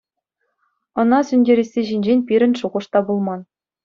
Ӑна сӳнтересси ҫинчен пирӗн шухӑш та пулман.